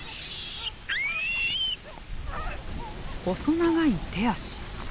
細長い手足。